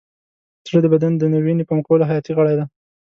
زړه د بدن د وینې پمپ کولو حیاتي غړی دی.